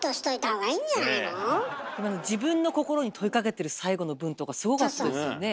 あの自分の心に問いかけてる最後の文とかすごかったですよね。